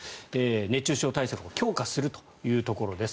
熱中症対策を強化するというところです。